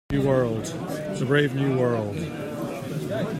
It's a brave new world.